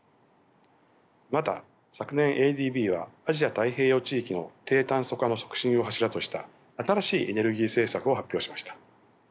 また昨年ＡＤＢはアジア・太平洋地域の低炭素化の促進を柱とした新しいエネルギー政策を発表しました。